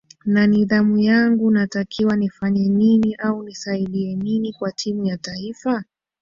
na nidhamu yangu natakiwa nifanye nini au nisaidie nini kwa timu ya taifa